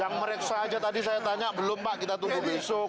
yang meriksa aja tadi saya tanya belum pak kita tunggu besok